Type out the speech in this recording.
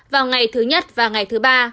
vào ngày thứ nhất và ngày thứ ba